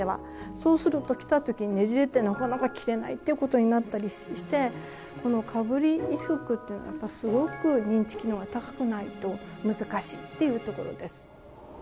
そうすると着た時にねじれてなかなか着れないっていうことになったりしてこのかぶり衣服っていうのはやっぱりすごく認知機能が高くないと難しいっていうところです。